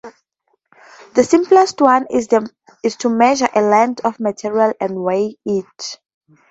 The simplest one is to measure a length of material and weigh it.